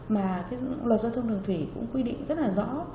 mà cái luật giao thông đường thủy cũng quy định rất là rõ